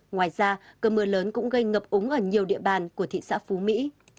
ngoài ra cơn mưa lớn cũng gây ngập úng ở nhiều địa bàn của thị xã phú mỹ